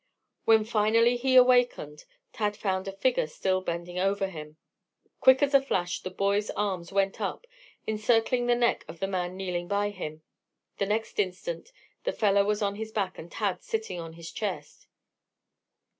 When finally he awakened, Tad found a figure still bending over him. Quick as a flash the boy's arms went up, encircling the neck of the man kneeling by him. The next instant the fellow was on his back, with Tad sitting on his chest.